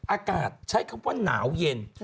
อากาศใช้คำว่าหนาวเย็น